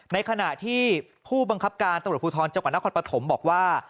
ในขณะที่ผู้บังคับการตำรวจภูทรจังหวัดนครปฐมบอกว่า